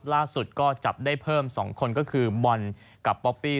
ล่าสุดก็จับได้เพิ่ม๒คนก็คือบอลกับป๊อปปี้